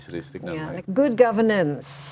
listrik dan lain lain